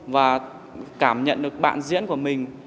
và cảm nhận được bạn diễn của mình